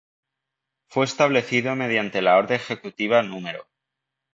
Fue establecido mediante la Orden Ejecutiva No.